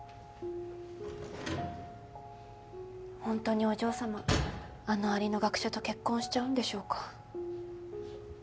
本当にお嬢様あの蟻の学者と結婚しちゃうんでしょうか？